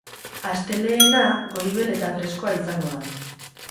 Astelehena goibela eta freskoa izango da.